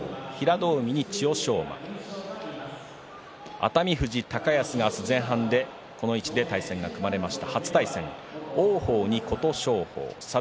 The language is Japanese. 熱海富士、高安が前半この位置で、組まれました。